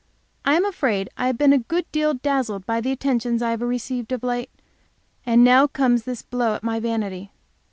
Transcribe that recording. I am afraid I have been a good deal dazzled by the attentions I have received of late; and now comes this blow at my vanity.